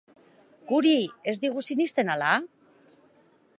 Guri ez digu sinesten, ala?